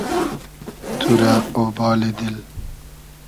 تو رۂ اۉبالی دیل